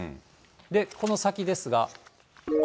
で、この先ですが。